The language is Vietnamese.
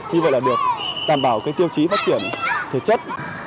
như vậy là được đảm bảo tiêu chí phát triển thể chất